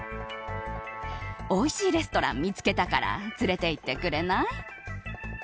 おいしいレストラン見つけたから連れて行ってくれない？